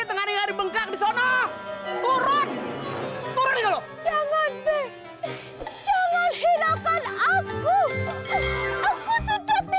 biarkan gue mati be